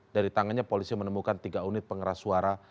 dari tangannya polisi menemukan tiga unit pengeras suara